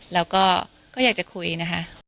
แล้วก็อยากจะคุยนะคะ